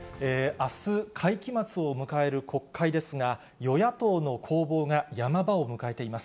あす、会期末を迎える国会ですが、与野党の攻防がヤマ場を迎えています。